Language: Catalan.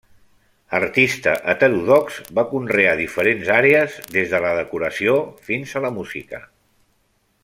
Artista heterodox, va conrear diferents àrees, des de la decoració fins a la música.